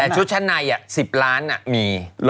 ชุดชะไน๑๐ล้านอ่ะมี